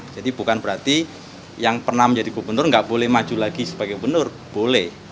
bukan berarti yang pernah menjadi gubernur nggak boleh maju lagi sebagai gubernur boleh